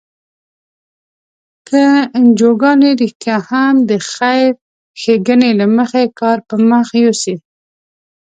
که انجوګانې رښتیا هم د خیر ښیګڼې له مخې کار پر مخ یوسي.